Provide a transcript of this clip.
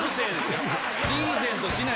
⁉リーゼントしない。